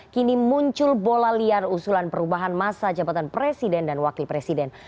kini muncul bola liar usulan perubahan masa jabatan presiden dan wakil presiden